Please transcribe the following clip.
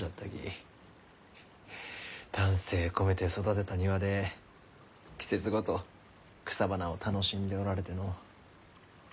丹精込めて育てた庭で季節ごと草花を楽しんでおられてのう。